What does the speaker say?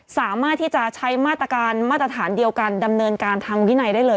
สามารถที่จะใช้มาตรการมาตรฐานเดียวกันดำเนินการทางวินัยได้เลย